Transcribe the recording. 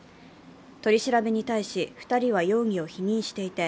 取り調べに対し２人は容疑を否認していて、